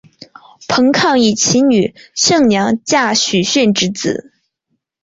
彭抗以其女胜娘嫁许逊之子。